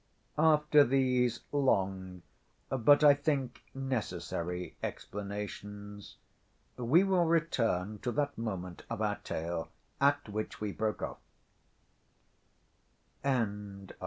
After these long, but I think necessary explanations, we will return to that moment of our tale at which we broke off.